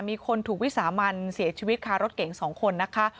มีคนถูกวิสามันเสียชีวิตคารถเก๋ง๒คนนะคะ